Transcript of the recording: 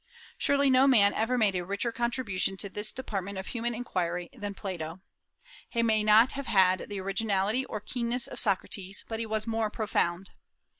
Surely no man ever made a richer contribution to this department of human inquiry than Plato. He may not have had the originality or keenness of Socrates, but he was more profound.